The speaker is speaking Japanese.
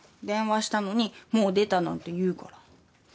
電話したのに「もう出た」なんて言うから。